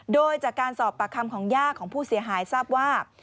โดยจากการสอบปากคำของย่าของผู้เสียหายทราบว่า